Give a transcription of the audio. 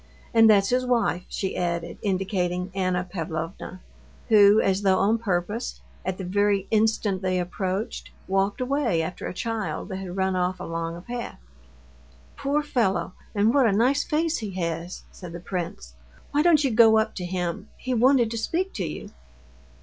"And that's his wife," she added, indicating Anna Pavlovna, who, as though on purpose, at the very instant they approached walked away after a child that had run off along a path. "Poor fellow! and what a nice face he has!" said the prince. "Why don't you go up to him? He wanted to speak to you."